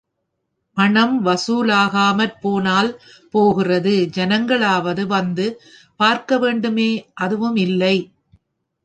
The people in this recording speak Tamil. பணம் வசூலாகாமற் போனால் போகிறது, ஜனங்களாவது வந்து பார்க்கவேண்டுமே, அதுவும் இல்லை.